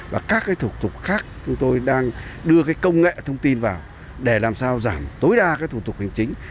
và các thủ tục khác chúng tôi đang đưa công nghệ thông tin vào để làm sao giảm tối đa thủ tục hành chính